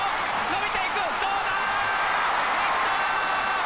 伸びていくどうだ！